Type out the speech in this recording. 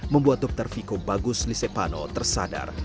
membuat dokter viko bagus lisepano tersadar